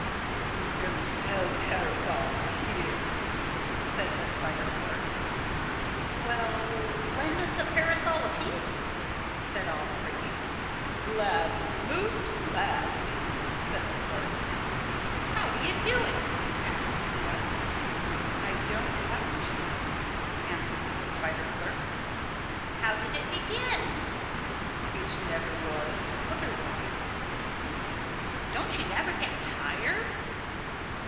"We don't sell parasols here," said the spider clerk. "Well, lend us a parasol apiece," said all three. "Gladly, most gladly," said the clerk. "How do you do it?" asked Eeta. "I don't have to," answered the spider clerk. "How did it begin?" "It never was otherwise." "Don't you never get tired?"